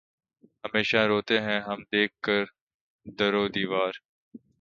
ہمیشہ روتے ہیں ہم دیکھ کر در و دیوار